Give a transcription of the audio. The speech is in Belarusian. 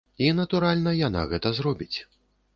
І, натуральна, яна гэта зробіць.